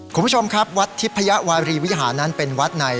คุณผู้ชมครับวัดทิพยาวารีวิหารนั้นเป็นวัดใน